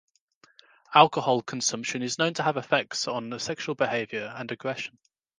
Alcohol consumption is known to have effects on sexual behavior and aggression.